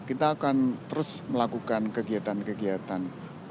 kita akan terus melakukan kegiatan kegiatan